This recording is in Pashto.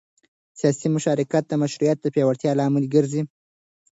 سیاسي مشارکت د مشروعیت د پیاوړتیا لامل ګرځي